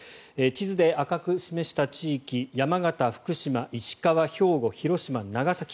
地図で赤く示した地域山形、福島、石川、兵庫広島、長崎